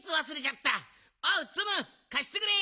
おうツムかしてくれ！